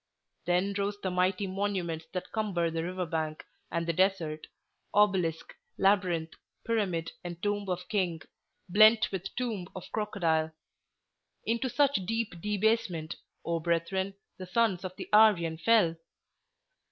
Then rose the mighty monuments that cumber the river bank and the desert—obelisk, labyrinth, pyramid, and tomb of king, blent with tomb of crocodile. Into such deep debasement, O brethren, the sons of the Aryan fell!"